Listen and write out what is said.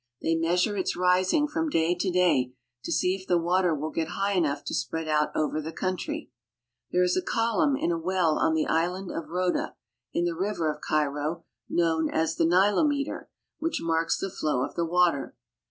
They measure its rising, from day to day, to see if the water will get high enough to spread out (Over the country. There is a column in a well on the island ■«f Rhoda, in the river at Cairo, known as " the Nilometer," hich marks the flow of the water.